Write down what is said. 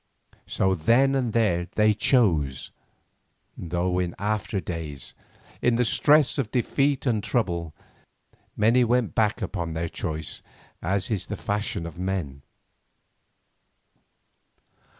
So then and there they chose, though in after days, in the stress of defeat and trouble, many went back upon their choice as is the fashion of men.